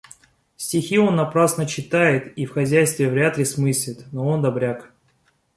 Стихи он напрасно читает и в хозяйстве вряд ли смыслит, но он добряк.